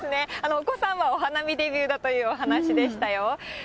お子さんはお花見デビューだというお話でしたよ。